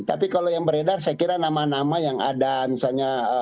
tapi kalau yang beredar saya kira nama nama yang ada misalnya